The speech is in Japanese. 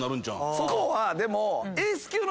そこはでも。